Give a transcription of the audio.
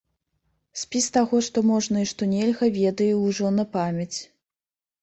Спіс таго, што можна і што нельга, ведае ўжо на памяць.